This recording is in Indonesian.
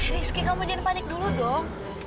rizky kamu jadi panik dulu dong